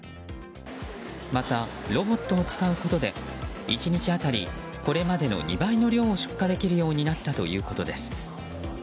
また、ロボットを使うことで１日当たりこれまでの２倍の量を出荷できるようになったということです。